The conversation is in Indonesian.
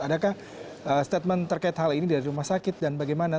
adakah statement terkait hal ini dari rumah sakit dan bagaimana